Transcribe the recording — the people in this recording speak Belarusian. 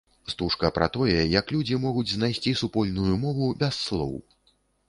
Стужка пра тое, як людзі могуць знайсці супольную мову без слоў.